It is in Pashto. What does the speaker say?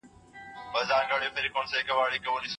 هر ځای یې چي وموندئ واخلئ.